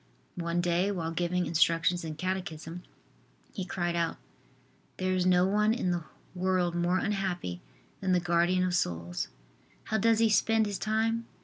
One day while giving instructions in catechism, he cried out: "There is no one in the world more unhappy than the guardian of souls. How does he spend his time?